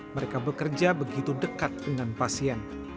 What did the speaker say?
mereka bekerja begitu dekat dengan pasien